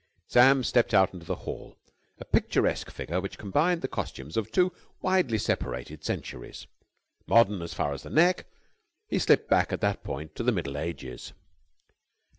Sam stepped out into the hall, a picturesque figure which combined the costumes of two widely separated centuries. Modern as far as the neck, he slipped back at that point to the Middle Ages.